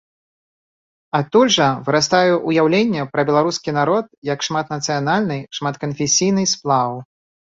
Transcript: Адтуль жа вырастае ўяўленне пра беларускі народ як шматнацыянальны, шматканфесійны сплаў.